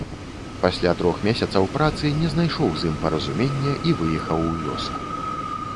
Пасля трох месяцаў працы не знайшоў з ім паразумення і выехаў у вёску.